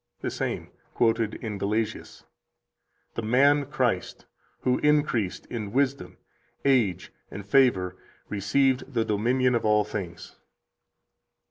70 The same, quoted in Gelasius: "The man Christ, who increased in wisdom, age, and favor, received the dominion of all things."